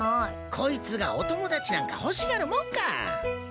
こいつがお友達なんか欲しがるもんか。